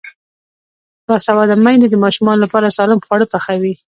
باسواده میندې د ماشومانو لپاره سالم خواړه پخوي.